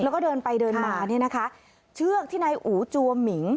แล้วก็เดินไปเดินมาเนี่ยนะคะเชือกที่นายอู๋จัวหมิง